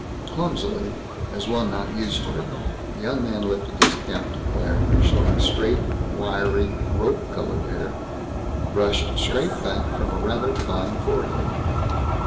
Clumsily, as one not used to it, the young man lifted his cap to Claire, showing straight, wiry, rope colored hair, brushed straight back from a rather fine forehead.